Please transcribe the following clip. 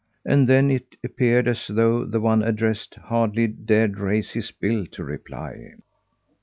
And then it appeared as though the one addressed hardly dared raise his bill to reply.